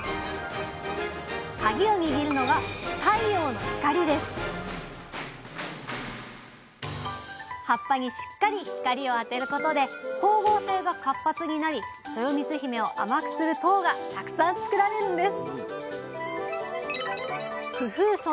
カギを握るのが葉っぱにしっかり光を当てることで光合成が活発になりとよみつひめを甘くする糖がたくさん作られるんです